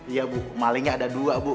iya bu malingnya ada dua bu